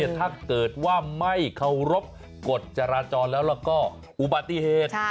ถ้าเกิดว่าไม่เคารพกฎจราจรแล้วแล้วก็อุบัติเหตุ